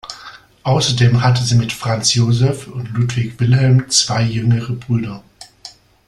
Außerdem hatte sie mit Franz Joseph und Ludwig Wilhelm zwei jüngere Brüder.